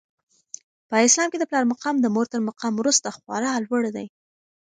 په اسلام کي د پلار مقام د مور تر مقام وروسته خورا لوړ دی.